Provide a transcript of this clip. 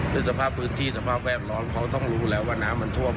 สภาพพื้นที่สภาพแวดล้อมเขาต้องรู้แล้วว่าน้ำมันท่วม